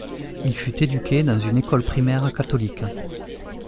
Il fut éduqué dans une école primaire catholique.